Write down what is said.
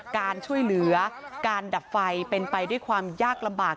การช่วยเหลือการดับไฟเป็นไปด้วยความยากลำบาก